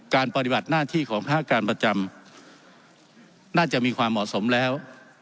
ปฏิบัติหน้าที่ของพระอาการประจำน่าจะมีความเหมาะสมแล้ว